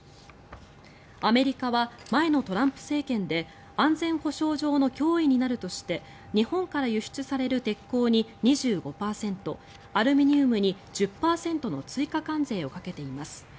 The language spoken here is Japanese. アメリカは前のトランプ政権で安全保障上の脅威になるとして日本から輸出される鉄鋼に２５％アルミニウムに１０％の追加関税をかけています。